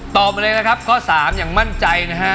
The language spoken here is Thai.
มาเลยนะครับข้อ๓อย่างมั่นใจนะฮะ